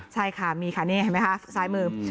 ใช่ค่ะมีค่ะนี่เห็นไหมคะซ้ายมือ